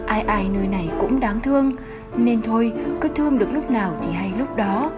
ai ai nơi này cũng đáng thương nên thôi cứ thương được lúc nào thì hay lúc đó